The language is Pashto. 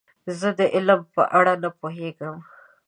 زه د علم په اړه نه پوهیږم.